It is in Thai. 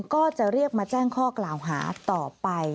ก็จะเรียกมาแจ้งข้อกล่าวหาต่อไป